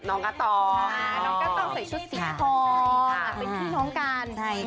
น้องกะตอมเสียชุดสิกภอูเป็นพี่น้องกัน